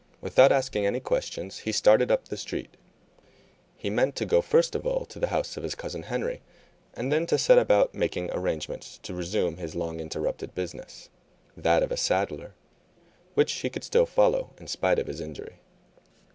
Without asking any questions, he started up the street. He meant to go, first of all, to the house of his cousin Henry, and then to set about making arrangements to resume his long interrupted business, that of a saddler, which he could still follow in spite of his injury.